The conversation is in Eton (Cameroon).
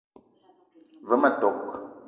Ve ma tok :